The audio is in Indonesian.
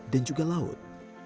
dan juga laut